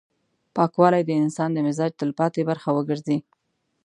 پاکوالی د انسان د مزاج تلپاتې برخه وګرځي.